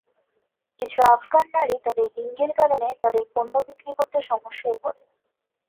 কিছু আফগান নারী তাদের লিঙ্গের কারণে তাদের পণ্য বিক্রি করতে সমস্যায় পড়ে।